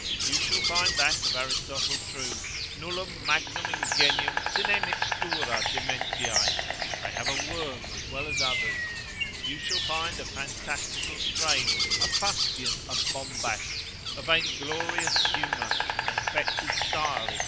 You shall find that of Aristotle true, nullum magnum ingenium sine mixtura dementiae, they have a worm as well as others; you shall find a fantastical strain, a fustian, a bombast, a vainglorious humour, an affected style, &c.